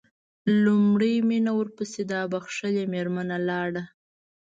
لومړی مينه ورپسې دا بښلې مېرمنه لاړه.